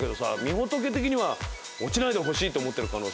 ほとけ的には落ちないでほしいって思ってる。